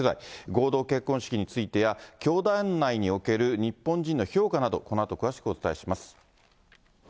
合同結婚式についてや教団内における日本人の評価など、このあと詳しくお伝えします。